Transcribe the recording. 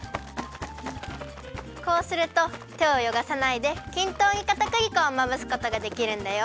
こうするとてをよごさないできんとうにかたくり粉をまぶすことができるんだよ。